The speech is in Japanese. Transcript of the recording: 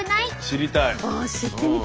知りたい。